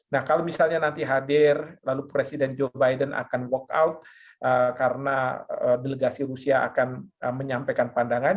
nah kalau misalnya nanti hadir lalu presiden joe biden akan walkout karena delegasi rusia akan menyampaikan pandangan